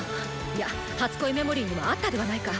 いや「初恋メモリー」にもあったではないか。